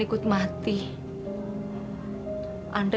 take perhatian nyala